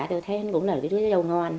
tôi thấy hình cũng là cái đứa dâu ngon